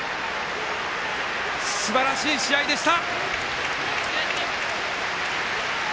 すばらしい試合でした。